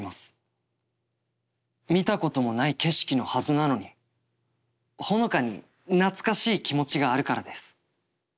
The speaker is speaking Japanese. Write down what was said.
見たこともない景色のはずなのにほのかに懐かしい気持ちがあるからです。